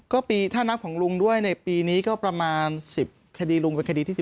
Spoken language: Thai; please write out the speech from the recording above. ก็ปีถ้านับของลุงด้วยในปีนี้ก็ประมาณ๑๐คดีลุงเป็นคดีที่๑๐